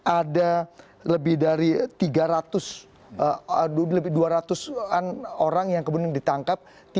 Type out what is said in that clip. ada lebih dari tiga ratus an orang yang kemudian ditangkap